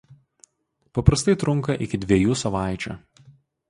Paprastai trunka iki dviejų savaičių.